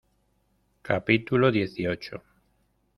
capítulo dieciocho.